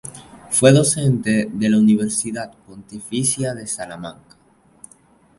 Fue docente de la Universidad Pontificia de Salamanca.